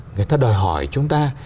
người ta đòi hỏi chúng ta